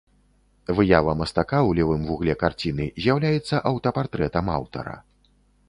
Выява мастака ў левым вугле карціны з'яўляецца аўтапартрэтам аўтара.